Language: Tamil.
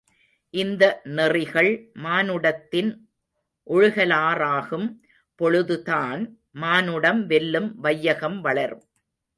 இந்த நெறிகள் மானுடத்தின் ஒழுகலாறாகும் பொழுதுதான் மானுடம் வெல்லும் வையகம் வளரும்.